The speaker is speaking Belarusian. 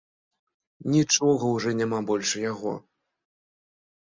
Нічога ўжо няма больш у яго.